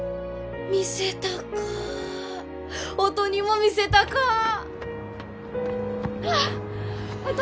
見せたか音にも見せたかほら！